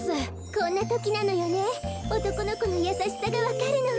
こんなときなのよねおとこのこのやさしさがわかるのは。